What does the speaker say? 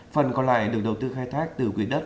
phần còn lại được đầu tư khai thác từ quỹ đất